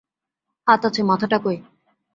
হাত আছে মাথাটা কই।